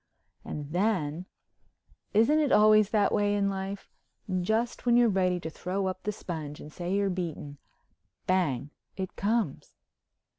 And then—isn't it always that way in life? Just when you're ready to throw up the sponge and say you're beaten, Bang—it comes!